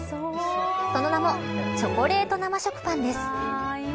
その名もチョコレート生食パンです。